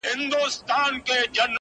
روڼي سترګي کرۍ شپه په شان د غله وي!.